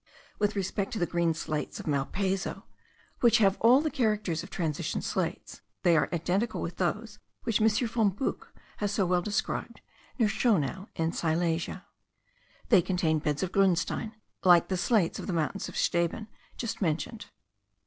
With respect to the green slates of Malpaso, which have all the characters of transition slates, they are identical with those which M. von Buch has so well described, near Schonau, in Silesia. They contain beds of grunstein, like the slates of the mountains of Steben just mentioned.